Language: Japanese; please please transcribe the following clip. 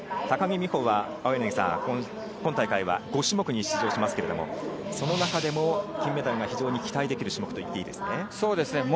高木美帆は今大会は５種目に出場しますけれど、その中でも金メダルが非常に期待できる種目ですね。